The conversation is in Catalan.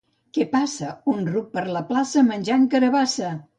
—Què passa: —Un ruc per la plaça menjant carabassa!